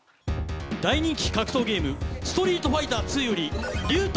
大人気格闘ゲーム「ストリートファイターⅡ」よりリュウ対